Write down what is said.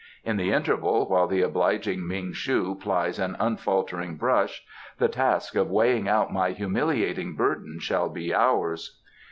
In the interval, while the obliging Ming shu plies an unfaltering brush, the task of weighing out my humiliating burden shall be ours."